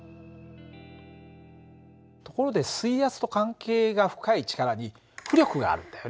ところで水圧と関係が深い力に浮力があるんだよね。